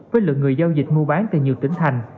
với lượng người giao dịch mua bán tại nhiều tỉnh thành